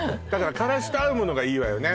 からしと合うものがいいわよね